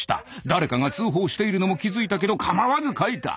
誰かが通報しているのも気付いたけど構わず書いた。